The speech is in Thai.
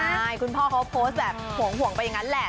ใช่คุณพ่อเขาโพสต์แบบห่วงไปอย่างนั้นแหละ